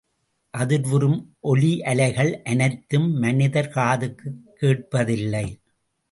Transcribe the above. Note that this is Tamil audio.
அதிர்வுறும் ஒலியலைகள் அனைத்தும் மனிதர் காதுக்குக் கேட்பதில்லை.